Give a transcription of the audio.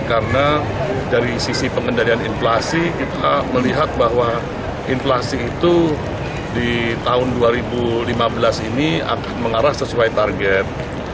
karena dari sisi pengendalian inflasi kita melihat bahwa inflasi itu di tahun dua ribu lima belas ini akan mengarah sesuai target